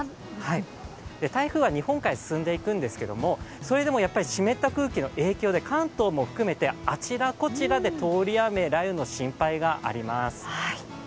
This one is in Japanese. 台風は日本海を進んでいくんですけれども、それでも湿った空気の影響で関東も含めて、あちらこちらで通り雨雷雨の心配があります。